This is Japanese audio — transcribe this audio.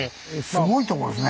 すごいとこですね。